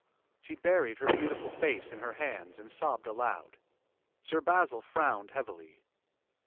She buried her beautiful face in her hands and sobbed aloud. Sir Basil frowned heavily.